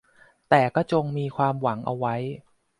แต่ก็จงมีความหวังเอาไว้